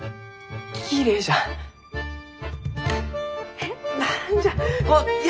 えっ？